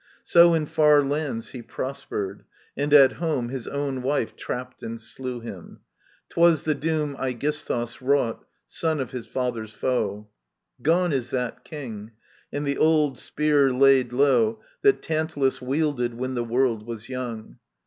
So in far lands he prospered ; and at home His own wife trapped and slew him. *Twas the doom Aegisthus wrought, son of his Other's foe. Gone is that King, and the old spear laid low That Tantalus wielded when the world was young.